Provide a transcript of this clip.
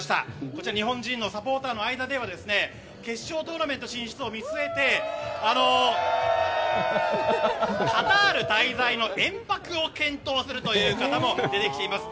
こちら日本人のサポーターの間では決勝トーナメント進出を見据えてカタール滞在の延泊を検討するという方も出てきています。